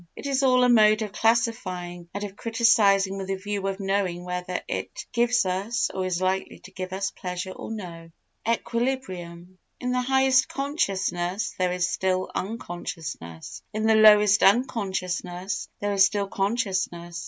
It is all a mode of classifying and of criticising with a view of knowing whether it gives us, or is likely to give us, pleasure or no. Equilibrium In the highest consciousness there is still unconsciousness, in the lowest unconsciousness there is still consciousness.